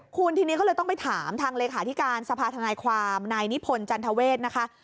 คุณทีนี้ก็เลยต้องไปถามทางเลขาธิการสภาธนายความนายนิพนธ์จันทเวศนะคะ